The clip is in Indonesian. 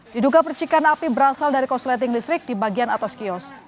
diduga percikan api berasal dari korsleting listrik di bagian atas kios